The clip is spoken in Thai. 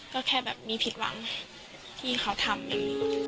ก็แค่แบบมีผิดหวังที่เขาทำ